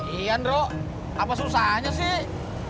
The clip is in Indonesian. iya andro apa susahnya sih